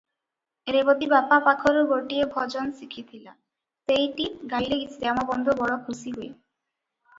ରେବତୀ ବାପା ପାଖରୁ ଗୋଟିଏ ଭଜନ ଶିଖିଥିଲା ସେଇଟି ଗାଇଲେ ଶ୍ୟାମବନ୍ଧୁ ବଡ଼ ଖୁସି ହୁଏ ।